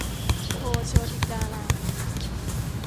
โพธิ์โชติการาม